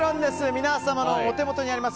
皆様のお手元にあります